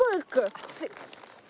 熱い。